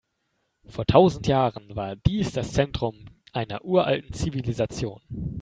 Vor tausend Jahren war dies das Zentrum einer uralten Zivilisation.